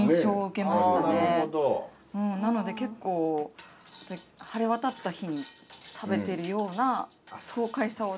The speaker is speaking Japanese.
なので結構晴れ渡った日に食べているような爽快さを私は。